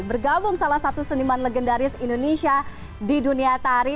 bergabung salah satu seniman legendaris indonesia di dunia tari